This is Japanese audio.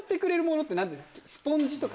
スポンジとか？